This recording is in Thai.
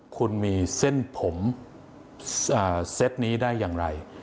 คุณมีเส้นผมเซตนี้ได้อย่างไร